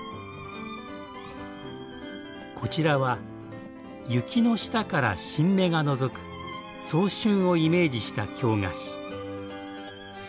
こちらは雪の下から新芽がのぞく早春をイメージした京菓子。